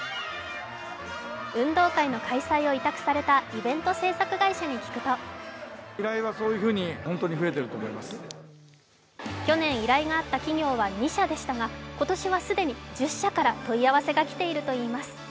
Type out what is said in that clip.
運動会の開催を委託されたイベント制作会社に聞くと去年依頼があった企業は２社でしたが今年は既に１０社から問い合わせが来ているといいます。